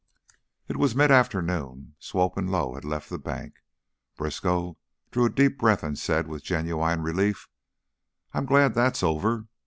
It was midafternoon. Swope and Lowe had left the bank. Briskow drew a deep breath and said, with genuine relief: "I'm glad that's over.